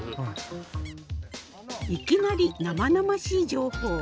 いきなり生々しい情報。